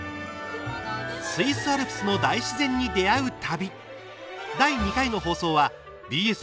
スイスアルプスの大自然に出会う旅。